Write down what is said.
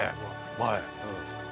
前。